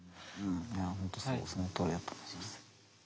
本当そのとおりだと思います。